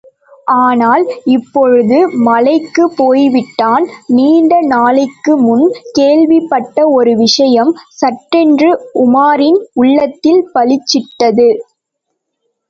ஆனால் இப்பொழுது மலைக்குப் போய்விட்டான்! நீண்ட நாளைக்கு முன் கேள்விப்பட்ட ஒரு விஷயம், சட்டென்று உமாரின் உள்ளத்தில் பளிச்சிட்டது.